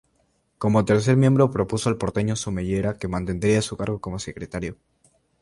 Como tercer miembro propuso al porteño Somellera que mantendría su cargo como secretario.